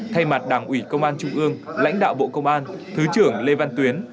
thay mặt đảng ủy công an trung ương lãnh đạo bộ công an thứ trưởng lê văn tuyến